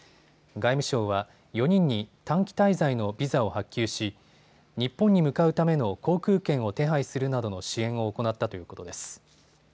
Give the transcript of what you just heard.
外務省は４人に短期滞在のビザを発給し日本に向かうための航空券を手配するなどの支援を行ったということです。